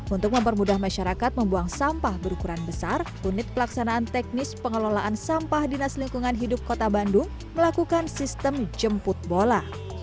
untuk mempermudah masyarakat membuang sampah berukuran besar unit pelaksanaan teknis pengelolaan sampah dinas lingkungan hidup kota bandung melakukan sistem jemput bola